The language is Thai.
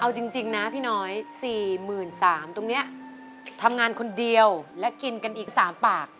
เอาจริงนะพี่น้อย๔๓๐๐ตรงนี้ทำงานคนเดียวและกินกันอีก๓ปาก